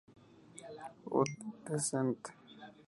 U. t. en sent.